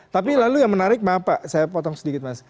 tapi lalu yang menarik maaf pak saya potong sedikit mas